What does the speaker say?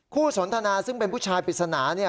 สนทนาซึ่งเป็นผู้ชายปริศนาเนี่ย